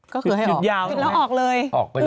ก็คือหยุดแล้วออกเลย